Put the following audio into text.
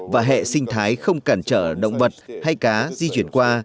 và hệ sinh thái không cản trở động vật hay cá di chuyển qua